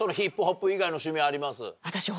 私。